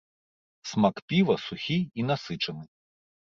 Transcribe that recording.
Смак піва сухі і насычаны.